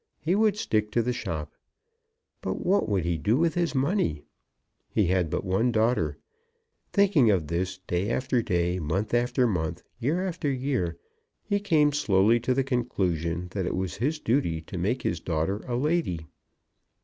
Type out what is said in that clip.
He would stick to the shop. But what would he do with his money? He had but one daughter. Thinking of this, day after day, month after month, year after year, he came slowly to the conclusion that it was his duty to make his daughter a lady.